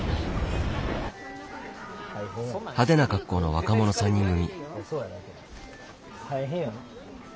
派手な格好の若者３人組。